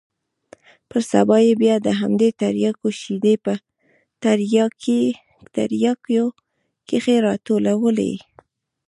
پر سبا يې بيا د همدې ترياکو شېدې په ترياكيو کښې راټولولې.